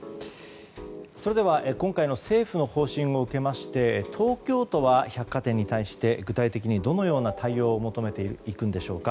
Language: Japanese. それでは今回の政府の方針を受けまして東京都は百貨店に対して具体的にどのような対応を求めていくのでしょうか。